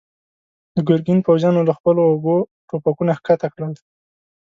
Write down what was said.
د ګرګين پوځيانو له خپلو اوږو ټوپکونه کښته کړل.